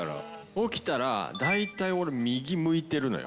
起きたら大体俺、右向いてるのよ。